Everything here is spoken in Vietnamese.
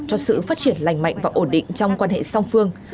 cho sự phát triển lành mạnh và ổn định trong quan hệ song phương